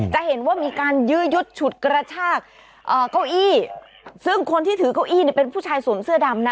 จะเห็นว่ามีการยื้อยุดฉุดกระชากเก้าอี้ซึ่งคนที่ถือเก้าอี้เนี่ยเป็นผู้ชายสวมเสื้อดำนะ